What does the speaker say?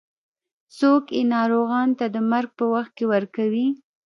څوک یې ناروغانو ته د مرګ په وخت کې ورکوي.